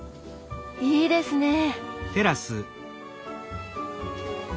いいですねえ。